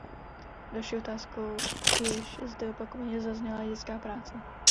Další otázkou, jež zde opakovaně zazněla, je dětská práce.